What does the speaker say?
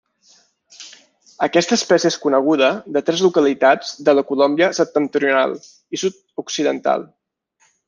Aquesta espècie és coneguda de tres localitats de la Colòmbia septentrional i sud-occidental.